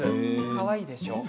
かわいいでしょう。